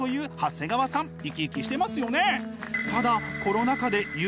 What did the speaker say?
生き生きしてますよね！